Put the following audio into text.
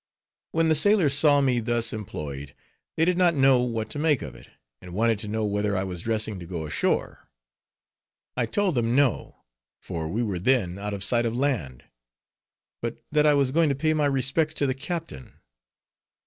When the sailors saw me thus employed, they did not know what to make of it, and wanted to know whether I was dressing to go ashore; I told them no, for we were then out of sight of mind; but that I was going to pay my respects to the captain.